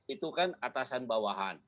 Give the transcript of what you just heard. itu kan atasan bawahan